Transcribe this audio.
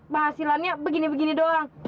penghasilannya begini begini doang